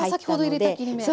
先ほど入れた切り目。